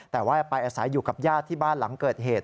แต่ว่าไปอาศัยอยู่กับญาติที่บ้านหลังเกิดเหตุ